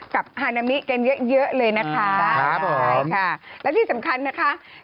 กับฮานามิกันเยอะเยอะเลยนะคะใช่ค่ะและที่สำคัญนะคะ